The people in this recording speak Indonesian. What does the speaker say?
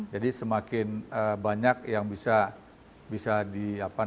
jadi sekitar tujuh puluh delapan laboratorium yang digelar oleh pemerintah di seluruh provinsi